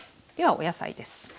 ではお野菜です。